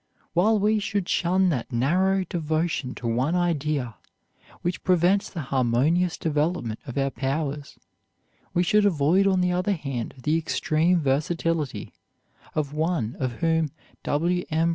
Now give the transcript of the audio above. While we should shun that narrow devotion to one idea which prevents the harmonious development of our powers, we should avoid on the other hand the extreme versatility of one of whom W. M.